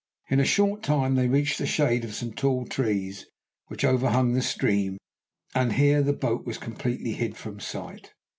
In a short time they reached the shade of some tall trees which overhung the stream, and here the boat was completely hid from sight.